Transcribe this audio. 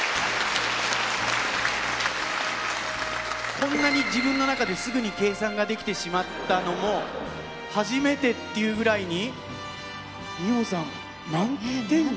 こんなに自分の中ですぐに計算ができてしまったのも初めてっていうぐらいに二葉さん満点じゃないの？